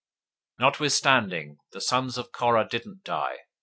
026:011 Notwithstanding, the sons of Korah didn't die.